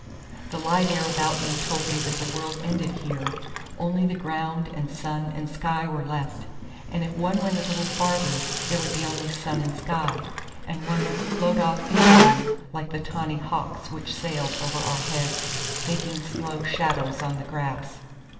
The light air about me told me that the world ended here: only the ground and sun and sky were left, and if one went a little farther there would be only sun and sky, and one would float off into them, like the tawny hawks which sailed over our heads making slow shadows on the grass.